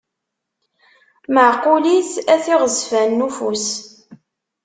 Meɛqulit, at iɣezfanen n ufus.